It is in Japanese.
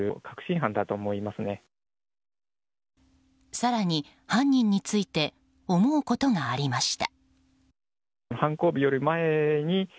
更に、犯人について思うことがありました。